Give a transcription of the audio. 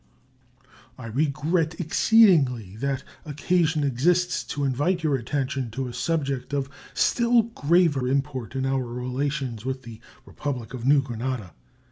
I regret exceedingly that occasion exists to invite your attention to a subject of still graver import in our relations with the Republic of New Granada.